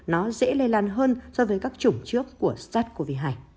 nó dễ lây lan hơn so với các chủng trước của sars cov hai